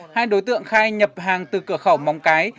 hai đối tượng khai nhập hàng từ cửa khẩu móng cái